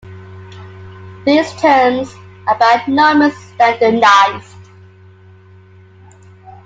These terms are by no means standardised.